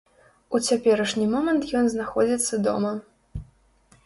У цяперашні момант ён знаходзіцца дома.